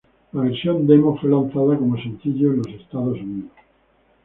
La versión demo fue lanzada como sencillo en los Estados Unidos.